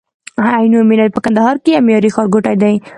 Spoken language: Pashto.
عینومېنه په کندهار کي یو معیاري ښارګوټی دی